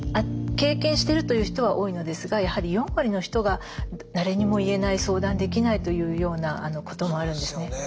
経験してるという人は多いのですがやはり４割の人が誰にも言えない相談できないというようなこともあるんですね。